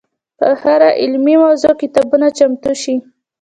په هره علمي موضوع کتابونه چمتو شي.